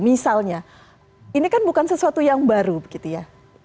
misalnya ini kan bukan sesuatu yang baru gitu ya